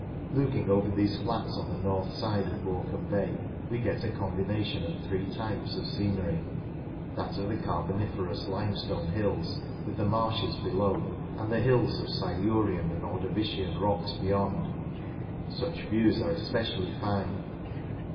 Looking over these flats on the north side of More cambe Bay we get a combination of three types of scenery, that of the Carboniferous Limestone hills with the marshes SCENERY 67 below, and the hills of Silurian and Ordovician rocks beyond. Such views are especially fine.